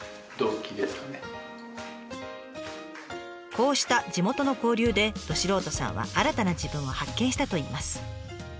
こうした地元の交流でど素人さんは新たな自分を発見したといいます。